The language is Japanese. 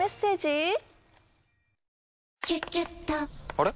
あれ？